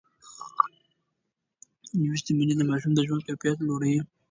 لوستې میندې د ماشوم د ژوند کیفیت لوړوي.